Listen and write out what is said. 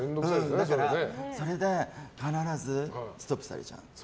だから、それで必ずストップされちゃうの。